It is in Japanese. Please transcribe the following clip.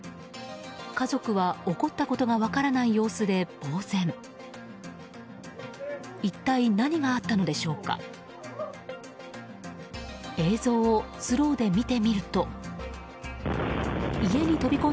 家族は起こったことが分からない様子でぼうぜん。